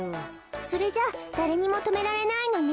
それじゃあだれにもとめられないのね。